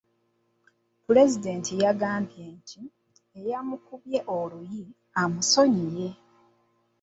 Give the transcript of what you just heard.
Pulezidenti yagambye nti eyamukubye oluyi amusonyiye.